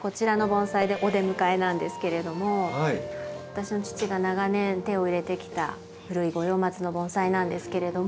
私の父が長年手を入れてきた古い五葉松の盆栽なんですけれども。